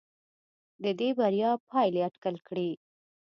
د دې بریا پایلې اټکل کړي.